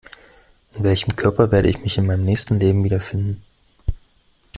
In welchem Körper werde ich mich in meinem nächsten Leben wiederfinden?